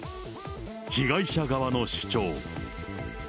被害者側の主張。